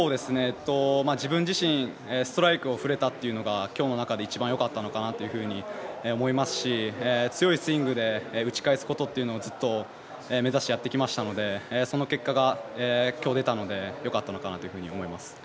自分自身、ストライクを振れたというのが今日の中で一番よかったのかなと思いますし強いスイングで打ち返すことをずっと目指してやってきましたのでその結果が今日出たのでよかったのかなと思います。